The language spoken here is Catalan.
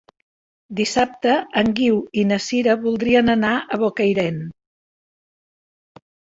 Dissabte en Guiu i na Sira voldrien anar a Bocairent.